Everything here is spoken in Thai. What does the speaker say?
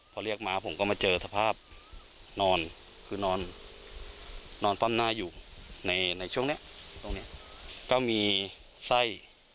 พอเรียกมาผมก็มาเจอสภาพนอนคือนอนนอนต้อนหน้าอยู่ในในช่วงนี้ตรงนี้ก็มีไส้